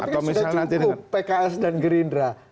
tapi sudah cukup pks dan gerindra